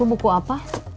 kok buku apa